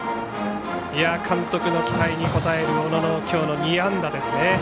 監督の期待に応える小野の今日の２安打。